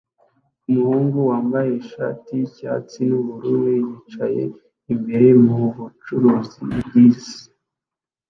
Umuhungu wambaye ishati yicyatsi nubururu yicaye imbere mubucukuzi bwisi